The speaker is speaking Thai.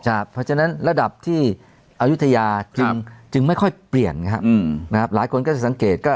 เพราะฉะนั้นระดับที่อายุทยาจึงไม่ค่อยเปลี่ยนหลายคนก็จะสังเกตก็